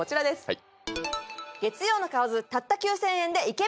はい